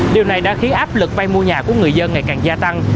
điều này đã khiến áp lực vay mua nhà của người dân ngày càng gia tăng